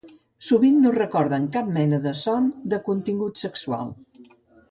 Sovint no recorden cap mena de son de contingut sexual.